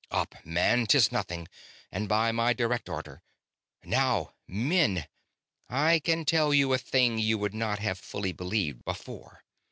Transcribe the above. "Up, man! 'Tis nothing, and by my direct order. Now, men, I can tell you a thing you would not have fully believed before.